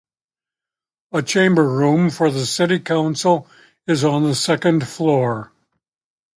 A chamber room for the City Council is on the second floor.